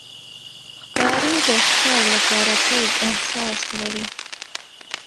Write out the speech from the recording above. ښکاري د ښکار لپاره تیز احساس لري.